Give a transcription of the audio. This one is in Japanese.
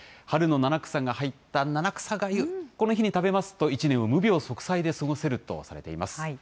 春の七草が入った七草がゆ、この日に食べますと、１年を無病息災で過ごせるとされています。